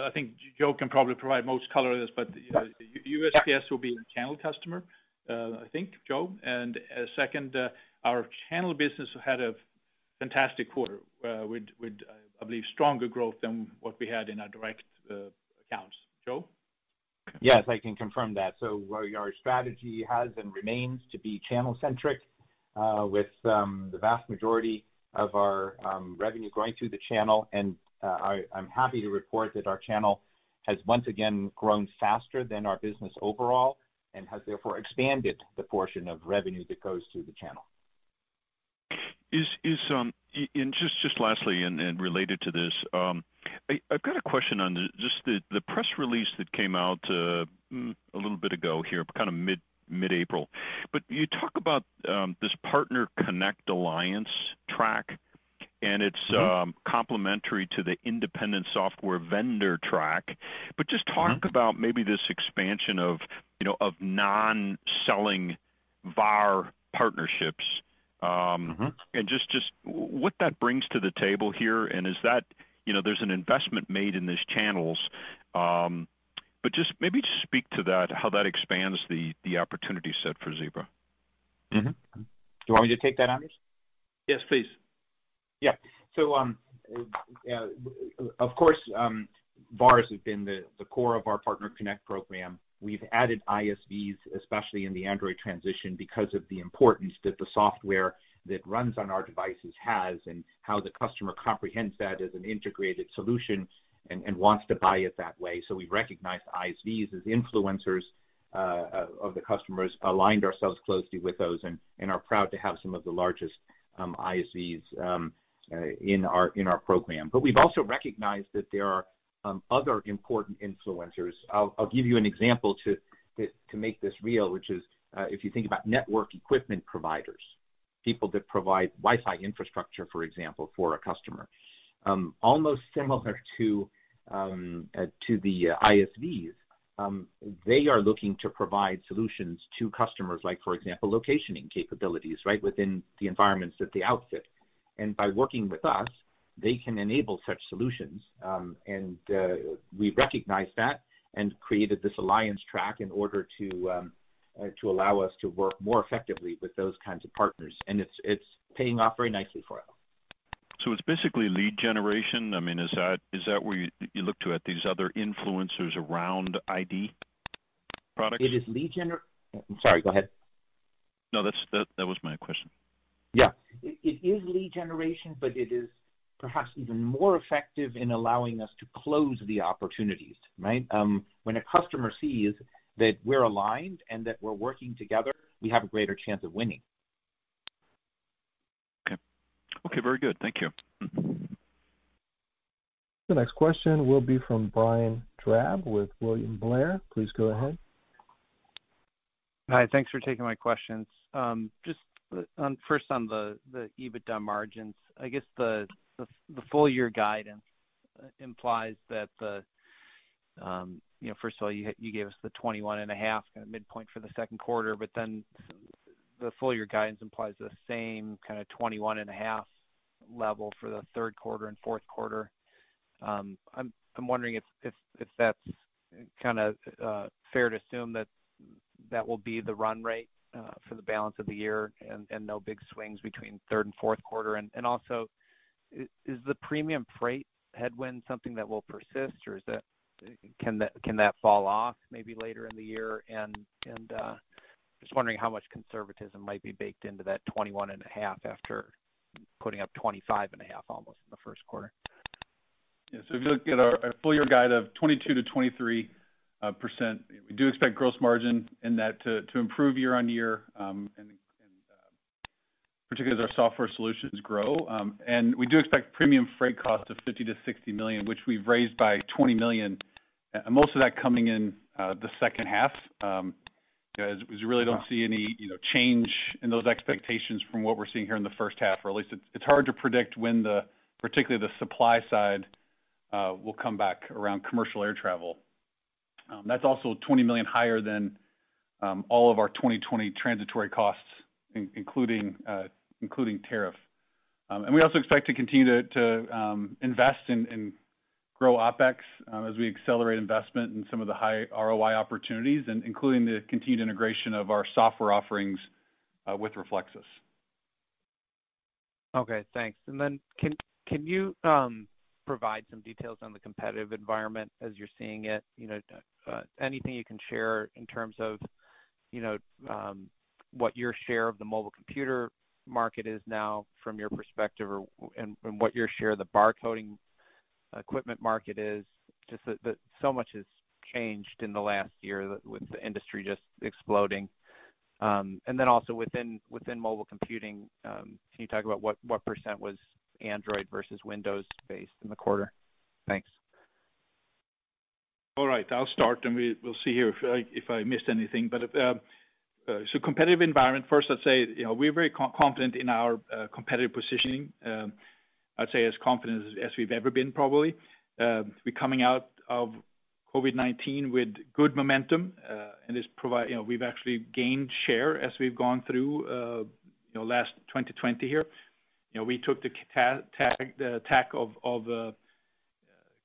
I think Joe can probably provide most color of this, but USPS will be a channel customer. I think, Joe? Second, our channel business had a fantastic quarter, with I believe, stronger growth than what we had in our direct accounts. Joe? Yes, I can confirm that. Our strategy has and remains to be channel centric, with the vast majority of our revenue going through the channel. I'm happy to report that our channel has once again grown faster than our business overall and has therefore expanded the portion of revenue that goes through the channel. Just lastly, and related to this, I’ve got a question on just the press release that came out a little bit ago here, kind of mid-April. You talk about this PartnerConnect Alliance Partner track, and it’s complementary to the independent software vendor track. Just talk about maybe this expansion of non-selling VAR partnerships. Just what that brings to the table here, there's an investment made in these channels. Just maybe just speak to that, how that expands the opportunity set for Zebra? Mm-hmm. Do you want me to take that, Anders? Yes, please. Yeah. Of course, VARs have been the core of our PartnerConnect program. We've added ISVs, especially in the Android transition, because of the importance that the software that runs on our devices has and how the customer comprehends that as an integrated solution and wants to buy it that way. We recognize ISVs as influencers of the customers, aligned ourselves closely with those and are proud to have some of the largest ISVs in our program. We've also recognized that there are other important influencers. I'll give you an example to make this real, which is if you think about network equipment providers, people that provide Wi-Fi infrastructure, for example, for a customer. Almost similar to the ISVs, they are looking to provide solutions to customers like, for example, locationing capabilities right within the environments that they outfit. By working with us, they can enable such solutions. We recognize that and created this Alliance track in order to allow us to work more effectively with those kinds of partners. It's paying off very nicely for us. It's basically lead generation. Is that where you look to at these other influencers around ID products? I'm sorry, go ahead. No, that was my question. Yeah. It is lead generation, but it is perhaps even more effective in allowing us to close the opportunities, right? When a customer sees that we're aligned and that we're working together, we have a greater chance of winning. Okay. Very good. Thank you. The next question will be from Brian Drab with William Blair. Please go ahead. Hi. Thanks for taking my questions. First on the EBITDA margins, I guess the full year guidance implies that, first of all, you gave us the 21.5% kind of midpoint for the second quarter, the full year guidance implies the same kind of 21.5% level for the third quarter and fourth quarter. I'm wondering if that's kind of fair to assume that that will be the run rate for the balance of the year and no big swings between third and fourth quarter. Also, is the premium freight headwind something that will persist, or can that fall off maybe later in the year? Just wondering how much conservatism might be baked into that 21.5% after putting up 25.5% almost in the first quarter. If you look at our full-year guide of 22%-23%, we do expect gross margin in that to improve year-on-year, and particularly as our software solutions grow. We do expect premium freight cost of $50 million-$60 million, which we've raised by $20 million. Most of that coming in the second half, as we really don't see any change in those expectations from what we're seeing here in the first half. At least it's hard to predict when particularly the supply side will come back around commercial air travel. That's also $20 million higher than all of our 2020 transitory costs, including tariff. We also expect to continue to invest and grow OpEx as we accelerate investment in some of the high ROI opportunities, including the continued integration of our software offerings with Reflexis. Okay, thanks. Can you provide some details on the competitive environment as you're seeing it? Anything you can share in terms of what your share of the mobile computer market is now from your perspective, and what your share of the barcoding equipment market is. Just that so much has changed in the last year with the industry just exploding. Also, within mobile computing, can you talk about what percent was Android versus Windows-based in the quarter? Thanks. All right. I'll start. We'll see here if I missed anything. Competitive environment, first, I'd say, we are very confident in our competitive positioning. I'd say as confident as we've ever been, probably. We're coming out of COVID-19 with good momentum. We've actually gained share as we've gone through last 2020 here. We took the tack of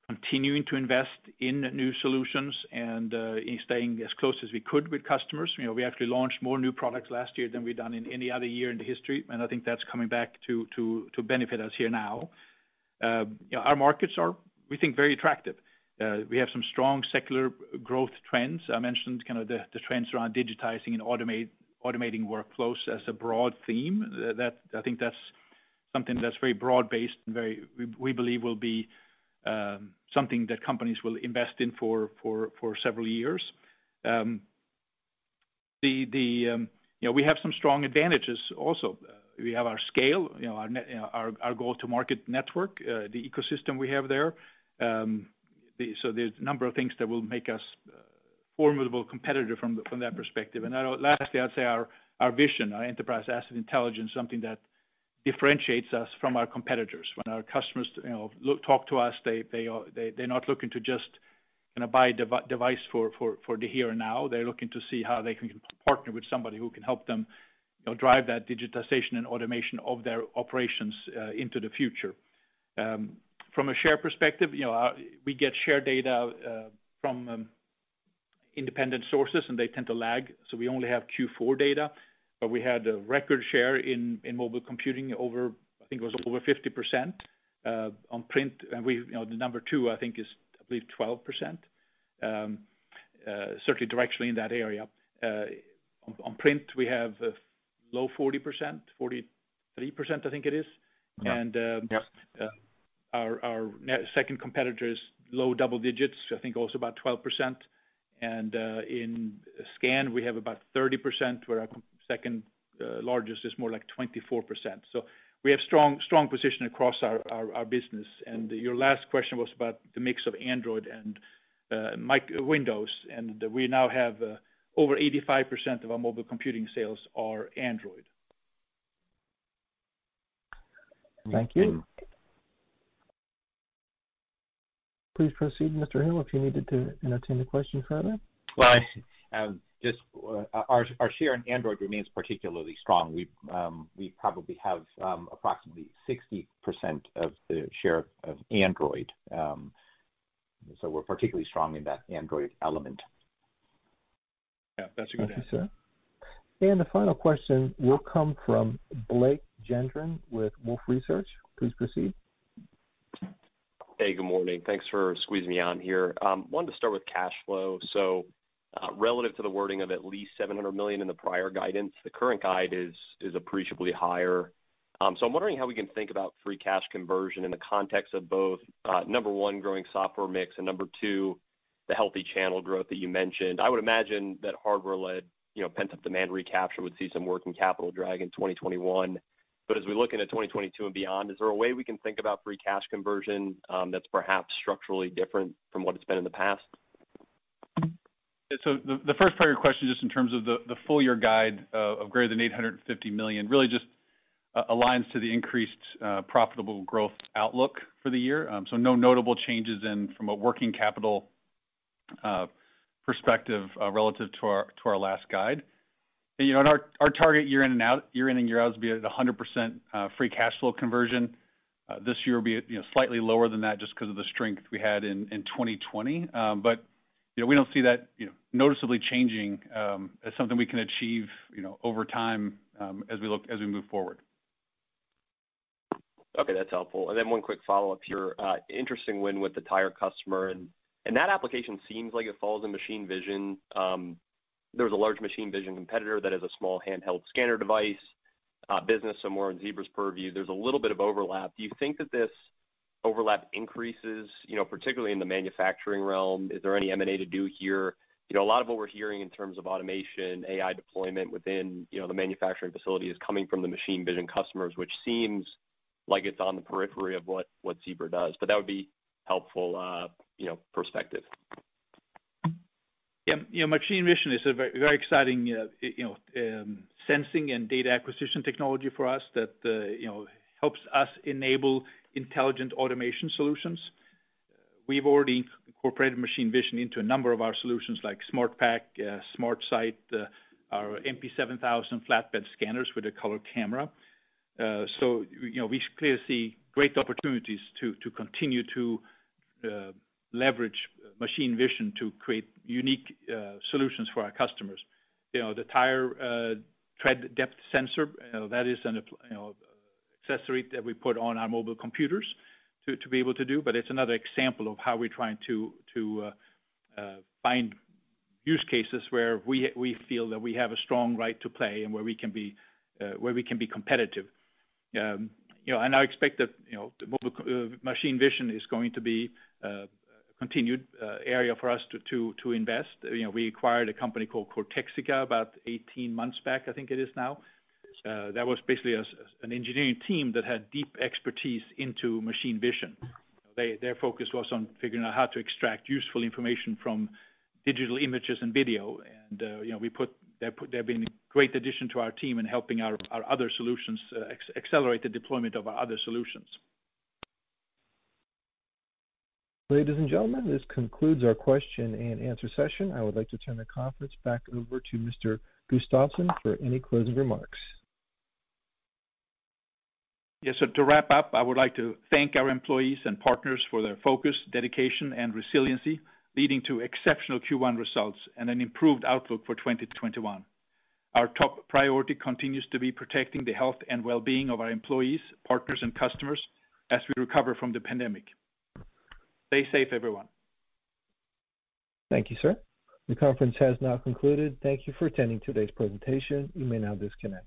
continuing to invest in new solutions and in staying as close as we could with customers. We actually launched more new products last year than we've done in any other year in the history. I think that's coming back to benefit us here now. Our markets are, we think, very attractive. We have some strong secular growth trends. I mentioned kind of the trends around digitizing and automating workflows as a broad theme. I think that's something that's very broad based and we believe will be something that companies will invest in for several years. We have some strong advantages also. We have our scale, our go-to-market network, the ecosystem we have there. There's a number of things that will make us a formidable competitor from that perspective. Lastly, I'd say our vision, our Enterprise Asset Intelligence, something that differentiates us from our competitors. When our customers talk to us, they're not looking to just buy device for the here and now. They're looking to see how they can partner with somebody who can help them drive that digitization and automation of their operations into the future. From a share perspective, we get share data from independent sources, and they tend to lag, so we only have Q4 data, but we had a record share in mobile computing. I think it was over 50% on print. The number two, I think, is, I believe 12%, certainly directionally in that area. On print, we have low 40%, 43% I think it is. Yeah. Our second competitor is low double digits, I think also about 12%. In scan, we have about 30%, where our second largest is more like 24%. We have strong position across our business. Your last question was about the mix of Android and Windows, and we now have over 85% of our mobile computing sales are Android. Thank you. Please proceed, Mr. Heel, if you needed to entertain the question further. Well, our share in Android remains particularly strong. We probably have approximately 60% of the share of Android. We're particularly strong in that Android element. Yeah. That's a good answer. Thank you, sir. The final question will come from Blake Gendron with Wolfe Research. Please proceed. Hey, good morning. Thanks for squeezing me on here. Wanted to start with cash flow. Relative to the wording of at least $700 million in the prior guidance, the current guide is appreciably higher. I'm wondering how we can think about free cash conversion in the context of both, number one, growing software mix, and number two, the healthy channel growth that you mentioned. I would imagine that hardware led, pent up demand recapture would see some working capital drag in 2021. As we look into 2022 and beyond, is there a way we can think about free cash conversion that's perhaps structurally different from what it's been in the past? The first part of your question, just in terms of the full year guide of greater than $850 million, really just aligns to the increased profitable growth outlook for the year. No notable changes in from a working capital perspective, relative to our last guide. Our target year in and year out is be at 100% free cash flow conversion. This year will be slightly lower than that just because of the strength we had in 2020. We don't see that noticeably changing as something we can achieve over time as we move forward. Okay, that's helpful. One quick follow-up here. Interesting win with the tire customer, and that application seems like it falls in machine vision. There's a large machine vision competitor that has a small handheld scanner device business, so more on Zebra's purview. There's a little bit of overlap. Do you think that this overlap increases particularly in the manufacturing realm? Is there any M&A to do here? A lot of what we're hearing in terms of automation, AI deployment within the manufacturing facility is coming from the machine vision customers, which seems like it's on the periphery of what Zebra does, but that would be helpful perspective. Yeah. Machine vision is a very exciting sensing and data acquisition technology for us that helps us enable intelligent automation solutions. We've already incorporated machine vision into a number of our solutions, like SmartPack, SmartSight, our MP7000 flatbed scanners with a color camera. We clearly see great opportunities to continue to leverage machine vision to create unique solutions for our customers. The tire tread depth sensor, that is an accessory that we put on our mobile computers to be able to do, but it's another example of how we're trying to find use cases where we feel that we have a strong right to play and where we can be competitive. I expect that machine vision is going to be a continued area for us to invest. We acquired a company called Cortexica about 18 months back, I think it is now. That was basically an engineering team that had deep expertise into machine vision. Their focus was on figuring out how to extract useful information from digital images and video. They've been a great addition to our team in helping our other solutions, accelerate the deployment of our other solutions. Ladies and gentlemen, this concludes our question-and-answer session. I would like to turn the conference back over to Mr. Gustafsson for any closing remarks. Yeah, to wrap up, I would like to thank our employees and partners for their focus, dedication, and resiliency, leading to exceptional Q1 results and an improved outlook for 2021. Our top priority continues to be protecting the health and wellbeing of our employees, partners, and customers as we recover from the pandemic. Stay safe, everyone. Thank you, sir. The conference has now concluded. Thank you for attending today's presentation. You may now disconnect.